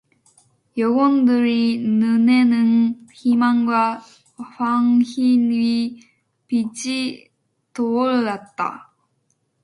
여공들의 눈에는 희망과 환희의 빛이 떠올랐다.